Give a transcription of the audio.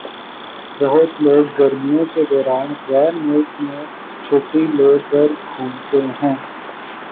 بہت لوگ گرمیوں کے دوران غیر ملک میں چھٹّی لے کر گھومتے ہیں۔